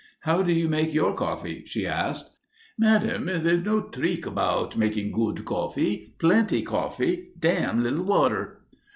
"How do you make your coffee?" she asked. "Madame, there's no trick about making good coffee. Plenty coffee. Dam' little water."